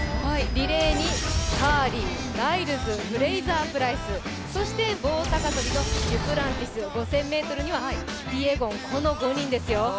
リレーにカーリー、ライルズ、フレイザープライス、そして棒高跳のデュプランティス、５０００ｍにはキピエゴン、この５人ですよ。